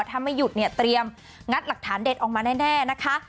ถ้าไม่หยุดเนี่ยเตรียมงัดหลักฐานเด็ดออกมาแน่นะคะ